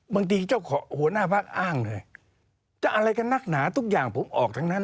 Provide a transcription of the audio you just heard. บางทีเจ้าของหัวหน้าพักอ้างเลยจะอะไรกันนักหนาทุกอย่างผมออกทั้งนั้น